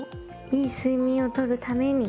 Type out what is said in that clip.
いい睡眠を取るために。